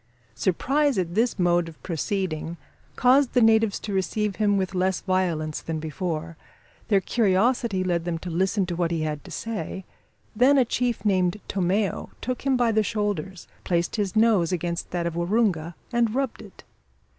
Surprise at this mode of proceeding caused the natives to receive him with less violence than before. Their curiosity led them to listen to what he had to say. Then a chief named Tomeo took him by the shoulders, placed his nose against that of Waroonga and rubbed it.